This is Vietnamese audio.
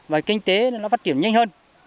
và kinh tế nó phát triển nhanh hơn